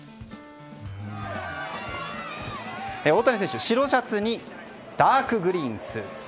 大谷選手、白シャツにダークグリーンスーツ。